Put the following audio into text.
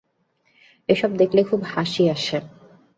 এসব দেখলে খুব হাসি আসে।